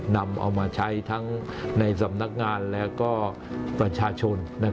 นำเอามาใช้ทั้งในสำนักงานและก็ประชาชน